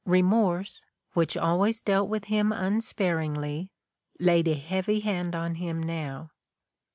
Remorse, which always dealt with him unsparingly, laid a heavy hand on him now.